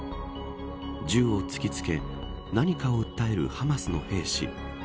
銃を突きつけ何かを訴えるハマスの兵士。